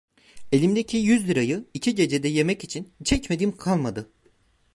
Elimdeki yüz lirayı iki gecede yemek için çekmediğim kalmadı.